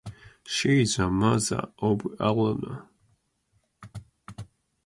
She is a mother of Aruna.